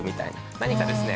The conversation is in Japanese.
何かですね